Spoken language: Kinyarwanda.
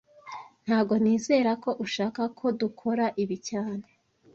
Ntago nizera ko ushaka ko dukora ibi cyane